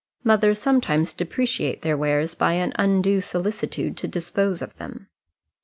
Mothers sometimes depreciate their wares by an undue solicitude to dispose of them.